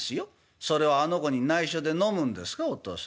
それをあの子にないしょで飲むんですかおとうさん。